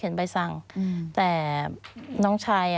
มันจอดอย่างง่ายอย่างง่าย